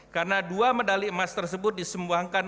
karena dua medali emas tersebut disumbuangkan